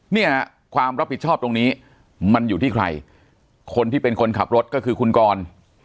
เนี่ยความรับผิดชอบตรงนี้มันอยู่ที่ใครคนที่เป็นคนขับรถก็คือคุณกร